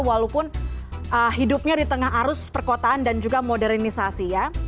walaupun hidupnya di tengah arus perkotaan dan juga modernisasi ya